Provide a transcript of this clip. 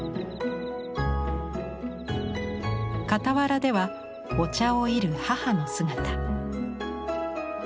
傍らではお茶をいる母の姿。